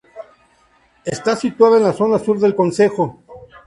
Está situada en la zona sur del concejo.